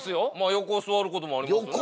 横座ることもありますね。